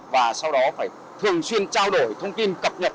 và sau đó phải thường xuyên trao đổi thông tin cập nhật